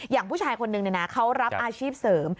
อย่างผู้ชายคนนึงเขารับอาชีพเสริม